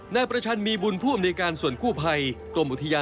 นายประชันมีบุญผู้อำนวยการส่วนคู่ภัย